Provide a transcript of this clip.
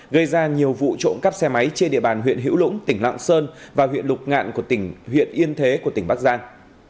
gây ra nhiều vụ trộm cắp xe máy trên địa bàn huyện hữu lũng tỉnh lạng sơn và huyện lục ngạn huyện yên thế tỉnh bắc giang